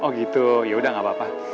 oh gitu yaudah gak apa apa